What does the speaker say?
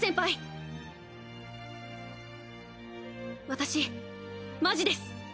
私マジです！